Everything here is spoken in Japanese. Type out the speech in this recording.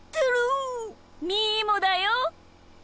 みーもだよ！